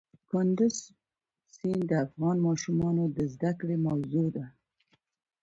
کندز سیند د افغان ماشومانو د زده کړې موضوع ده.